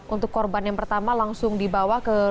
untuk korban yang pertama langsung dibawa ke rumah sakit